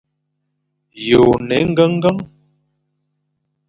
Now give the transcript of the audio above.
Ye one engengen?